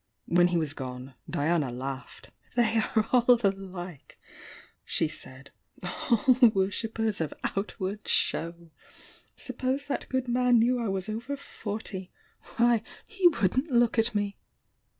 When he was gone Diana laughed. "They are all alike!" she said— "All worshippers of outward show! Suppose that good man knew I was over forty? Why, he wouldn't look at me!"